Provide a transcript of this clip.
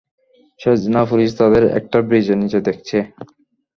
সেজনা police তাদের একটা ব্রীজের নিচে দেখছে।